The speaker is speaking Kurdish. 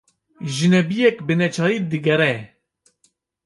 Jinebiyek bi neçarî diğere